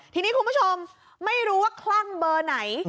ทีนี้คุณผู้ชมไม่รู้ว่าคลั่งเบอร์ไหน